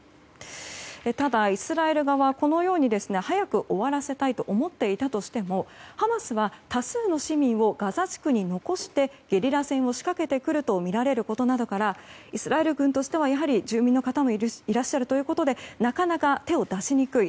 ただイスラエル側は早く終わらせたいと思っていたとしてもハマスは多数の市民をガザ地区に残してゲリラ戦を仕掛けてくるとみられることなどからイスラエル軍としては住民の方がいらっしゃるということでなかなか手を出しにくい。